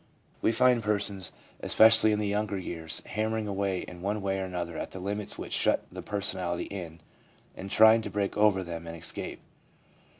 We find persons, especially in the younger years, hammer ing away in one way or another at the limits which shut the personality in, and trying to break over them and escape.